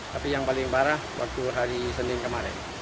tapi yang paling parah waktu hari senin kemarin